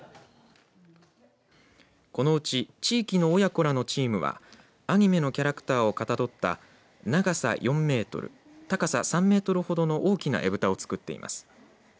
このうち地域の親子らのチームはアニメのキャラクターをかたどった長さ４メートル高さ３メートルほどの大きな絵ぶたを作っています。